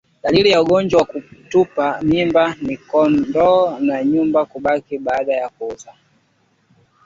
Dalili ya ugonjwa wa kutupa mimba ni kondo la nyuma kubaki baada ya kuzaa